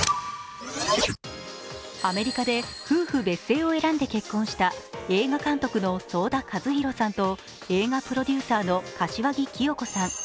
アメリカで夫婦別姓を選んで結婚した映画監督の想田和弘さんと映画プロデューサーの柏木規与子さん。